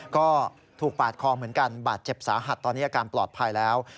ก็ถูกปาดคอเหมือนกันบาดเจ็บสาหัสตอนนี้อาการปลอดภัยแล้ว